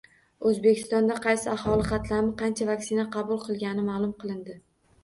O‘zbekistonda qaysi aholi qatlami qancha vaksina qabul qilgani ma’lum qilindi